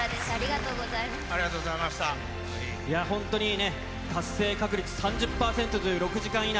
いや本当にね達成確率３０％という６時間以内。